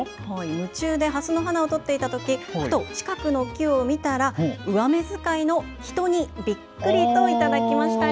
夢中でハスの花を撮っていたときふと近くの木を見たら上目遣いの人にびっくりと頂きました。